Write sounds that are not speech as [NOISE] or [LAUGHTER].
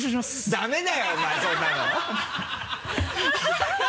ダメだよお前そんなの。ハハハ [LAUGHS]